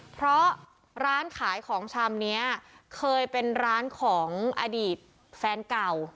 เพราะร้านขายของชำนี้เคยเป็นร้านของอดีตแฟนเก่า